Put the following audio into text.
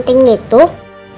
tidak ada yang bisa dikumpulkan